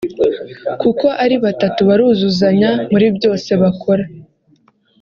uko ari batatu baruzuzanya muri byose bakora